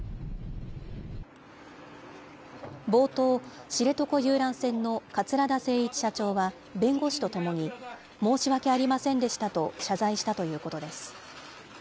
冒頭、知床遊覧船の桂田精一社長は弁護士と共に、申し訳ありませんでしたと謝罪したということです。